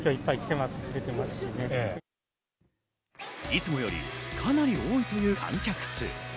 いつもよりかなり多いという観客数。